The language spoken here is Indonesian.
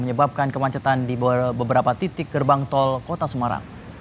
menyebabkan kemacetan di beberapa titik gerbang tol kota semarang